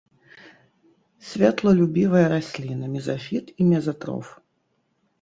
Святлолюбівая расліна, мезафіт і мезатроф.